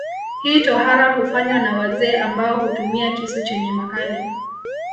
Hii tohara hufanywa na wazee ambao hutumia kisu chenye makali